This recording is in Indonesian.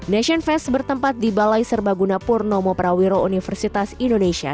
nation fest bertempat di balai serbaguna purnomo prawiro universitas indonesia